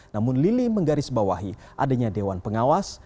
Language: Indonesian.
namun lili menggaris bawahi adanya dewan pengawas